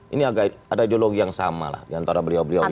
ini agak ada ideologi yang sama lah diantara beliau beliau ini